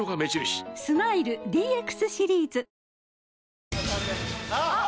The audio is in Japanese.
スマイル ＤＸ シリーズ！あっ！